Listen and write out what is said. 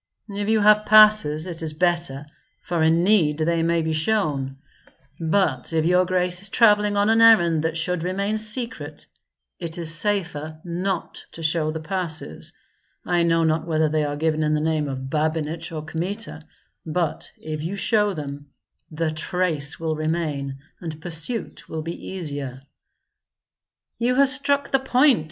"If you have passes, it is better, for in need they may be shown; but if your grace is travelling on an errand that should remain secret, it is safer not to show the passes. I know not whether they are given in the name of Babinich or Kmita; but if you show them, the trace will remain and pursuit will be easier." "You have struck the point!"